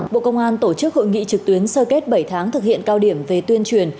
bộ công an tổ chức hội nghị trực tuyến sơ kết bảy tháng thực hiện cao điểm về tuyên truyền